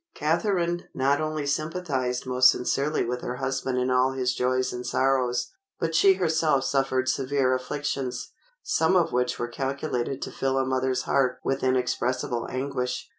Catharine not only sympathized most sincerely with her husband in all his joys and sorrows, but she herself suffered severe afflictions, some of which were calculated to fill a mother's heart with inexpressible anguish.